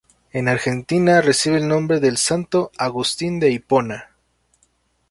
En Argentina recibe el nombre del santo Agustín de Hipona.